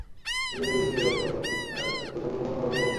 এইজন্য বিদেশে গিয়া জয়গোপাল প্রথম প্রথম অগাধ জলের মধ্যে পড়িয়াছিল।